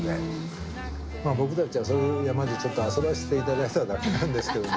僕たちはそういう山でちょっと遊ばせて頂いただけなんですけどね。